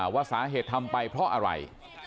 ว่าสาเหตุทำไปเพราะอะไร